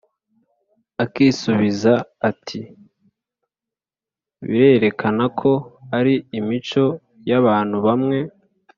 akisubiza ati : “birerekana ko ari imico y’abantu bamwe